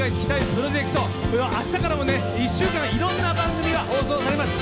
プロジェクトあしたからも１週間いろんな番組が放送されます。